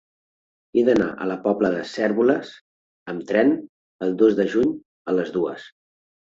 He d'anar a la Pobla de Cérvoles amb tren el dos de juny a les dues.